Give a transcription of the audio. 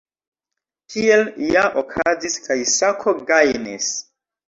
Tiel ja okazis, kaj Sako gajnis.